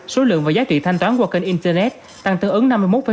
số lượng và giá trị thanh toán qua kênh internet tăng tương ứng năm mươi một một mươi sáu